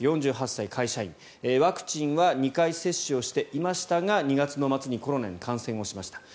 ４８歳、会社員ワクチンは２回接種していましたが２月の末にコロナに感染しました。